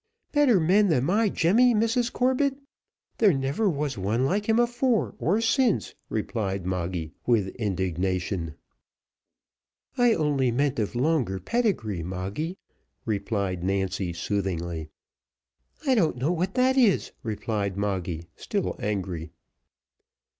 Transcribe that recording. "Better men than my Jemmy, Mrs Corbett! There never was one like him afore or since;" replied Moggy, with indignation. "I only meant of longer pedigree, Moggy," replied Nancy soothingly. "I don't know what that is," replied Moggy, still angry.